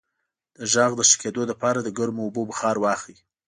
د غږ د ښه کیدو لپاره د ګرمو اوبو بخار واخلئ